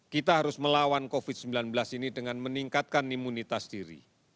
kita harus melawan covid sembilan belas ini dengan meningkatkan imunitas diri